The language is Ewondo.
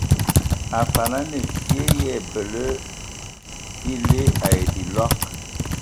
Afan a nə fyƐ ya ebələ bile ai bilɔg.